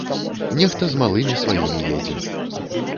Нехта з малымі сваімі едзе.